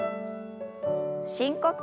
深呼吸。